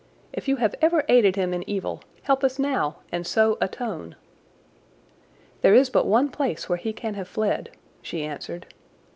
If you have ever aided him in evil, help us now and so atone." "There is but one place where he can have fled," she answered.